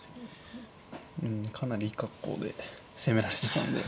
うんかなりいい格好で攻められてたんで。